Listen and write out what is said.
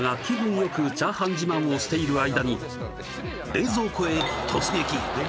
よくチャーハン自慢をしている間に冷蔵庫へ突撃出来栄え